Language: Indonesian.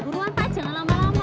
buruan pak jangan lama lama